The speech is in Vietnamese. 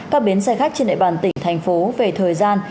các bến xe khách trên địa bàn tỉnh thành phố về thời gian